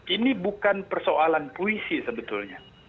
ini bukan persoalan puisi sebetulnya